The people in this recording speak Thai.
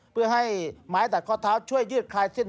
เพื่อให้ไม้ตัดข้อเท้าช่วยยืดคลายเส้น